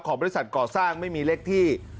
บริษัทก่อสร้างไม่มีเลขที่